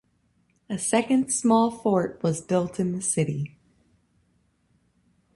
A second small fort was built in the city.